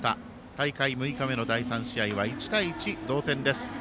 大会６日目の第３試合は１対１、同点です。